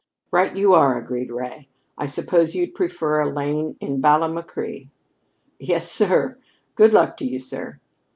"Right you are," agreed Ray. "I suppose you'd prefer a lane in Ballamacree?" "Yes, sir. Good luck to you, sir."